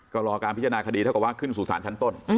ก็รอการพิจารณาคดีเท่ากับว่าขึ้นสู่ศาลชั้นต้น